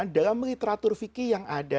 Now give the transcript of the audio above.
dalam literatur fikir yang ada